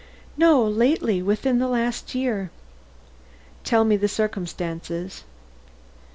"No, lately; within the last year." "Tell me the circumstances."